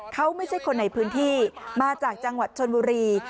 เขาไม่ใช่คนในพื้นที่มาจากจังหวัดชนบุรี